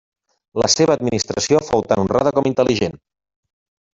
La seva administració fou tant honrada com intel·ligent.